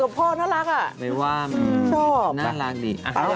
มันชอบชอบ